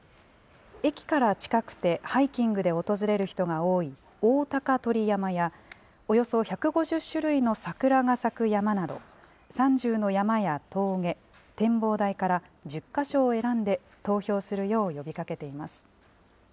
駅から近くてハイキングで訪れる人が多い大高取山や、およそ１５０種類の桜が咲く山など、３０の山や峠、展望台から１０か所を選んで、投票するよう呼びかけています。